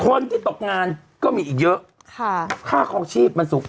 คนที่ตกงานก็มีอีกเยอะค่าคลองชีพมันสูง